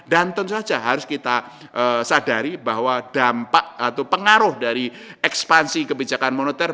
dan tentu saja harus kita sadari bahwa dampak atau pengaruh dari ekspansi kebijakan moneter